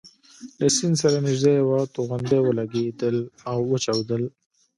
له سیند سره نژدې یوه توغندۍ ولګېدل او وچاودل.